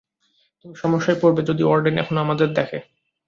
তুমি সমস্যায় পড়বে, যদি ওয়ার্ডেন এখন আমাদের দেখে।